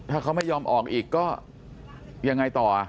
ถ้าเขาไม่ยอมออกอีกก็ยังไงต่อ